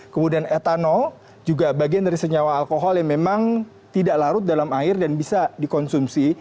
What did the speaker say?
kemudian etanol juga bagian dari senyawa alkohol yang memang tidak larut dalam air dan bisa dikonsumsi